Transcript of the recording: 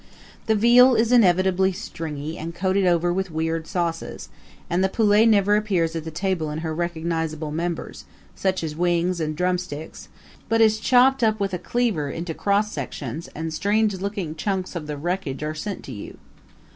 The veal is invariably stringy and coated over with weird sauces, and the poulet never appears at the table in her recognizable members such as wings and drumsticks but is chopped up with a cleaver into cross sections, and strange looking chunks of the wreckage are sent to you.